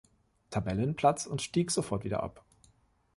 Tabellenplatz und stieg sofort wieder ab.